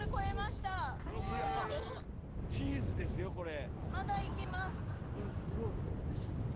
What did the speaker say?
チーズですよこれ！